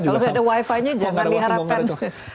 kalau tidak ada wifi nya jangan diharapkan